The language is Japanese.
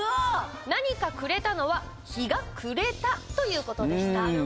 何か、くれたのは「日が暮れた」ということでした。